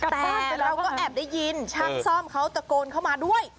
แต่เราก็แอบได้ยินช่างซ่อมเขาตะโกนเข้ามาด้วย